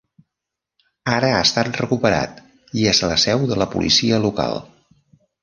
Ara ha estat recuperat i és la seu de la Policia Local.